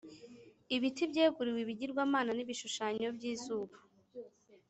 ibiti byeguriwe ibigirwamana n’ibishushanyo by’izuba,